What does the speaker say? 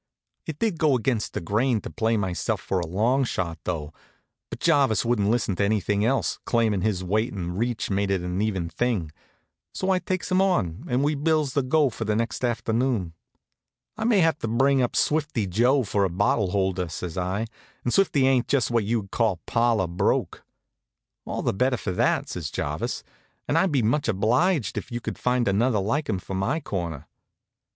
It did go against the grain to play myself for a longshot, though; but Jarvis wouldn't listen to anything else, claimin' his weight and reach made it an even thing. So I takes him on, an' we bills the go for the next afternoon. "I may have to bring up Swifty Joe for a bottle holder," says I, "an' Swifty ain't just what you'd call parlor broke." "All the better for that," says Jarvis. "And I'd be much obliged if you'd find another like him for my corner."